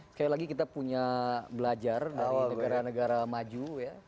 sekali lagi kita punya belajar dari negara negara maju ya